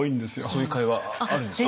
そういう会話あるんですか？